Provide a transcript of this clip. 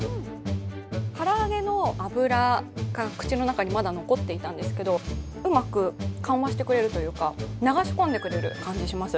唐揚げの油が口の中にまだ残っていたんですけど、うまく緩和してくれるというか流し込んでくれる感じがします。